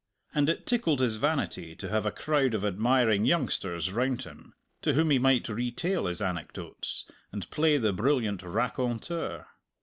And it tickled his vanity to have a crowd of admiring youngsters round him to whom he might retail his anecdotes, and play the brilliant raconteur.